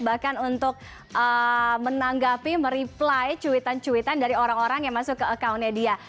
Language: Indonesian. bahkan untuk menanggapi mereply cuitan cuitan dari orang orang yang masuk ke accountnya dia